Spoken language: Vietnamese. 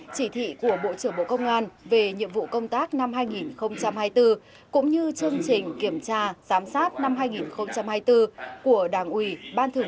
chỉ thị của bộ trưởng bộ công an về nhiệm vụ công tác năm hai nghìn hai mươi bốn cũng như chương trình kiểm tra giám sát năm hai nghìn hai mươi bốn của đảng ủy